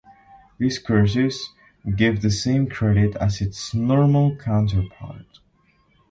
These courses give the same credit as its normal counterpart.